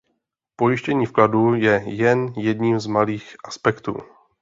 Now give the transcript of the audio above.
Pojištění vkladů je jen jedním z malých aspektů.